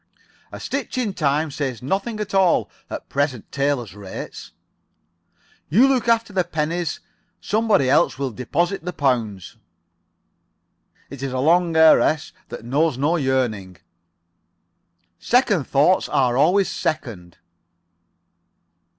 "A stitch in time saves nothing at all at present tailors' rates." "You look after the pennies. Somebody else will deposit the pounds." "It's a long heiress that knows no yearning." "Second thoughts are always second."